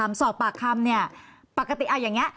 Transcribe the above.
โรงพยาบาลก็มักว่าจะ